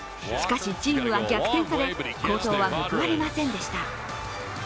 しかし、チームは逆転され、好投は報われませんでした。